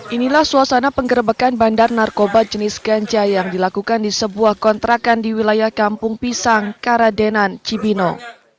inilah suasana penggerbekan bandar narkoba jenis ganja yang dilakukan di sebuah kontrakan di wilayah kampung pisang karadenan cibinong